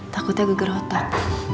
takutnya geger otak